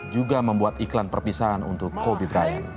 juga membuat iklan perpisahan untuk kobe bryant